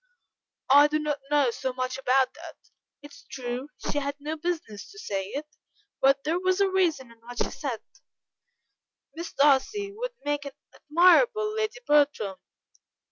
"I do not know so much about that: it is true, she had no business to say it, but there was a reason in what she said; Miss Darcy would make an admirable Lady Bertram.